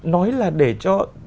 nói là để cho